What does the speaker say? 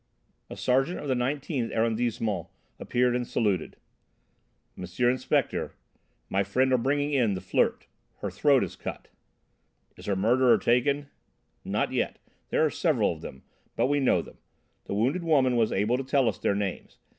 '" A sergeant of the 19th Arrondissement appeared and saluted. "M. Inspector, my men are bringing in 'The Flirt.' Her throat is cut." "Is her murderer taken?" "Not yet there are several of them but we know them. The wounded woman was able to tell us their names.